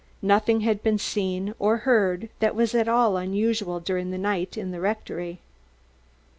Nothing had been seen or heard that was at all unusual during the night in the rectory.